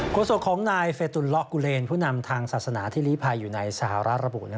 โศกของนายเฟตุลเลาะกุเลนผู้นำทางศาสนาที่ลีภัยอยู่ในสหรัฐระบุ